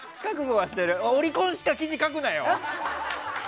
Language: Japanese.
オリコンしか記事書くなよ！